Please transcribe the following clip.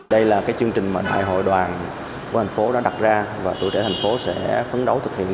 đây là chương trình mà đại hội đoàn của thành phố đã đặt ra và tuổi trẻ thành phố sẽ phấn đấu thực hiện